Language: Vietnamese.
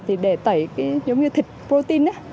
thì để tẩy giống như thịt protein